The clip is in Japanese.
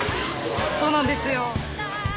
そうなんですよ。